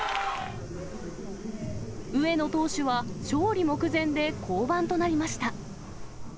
上野投手は、勝利目前で降板となりました。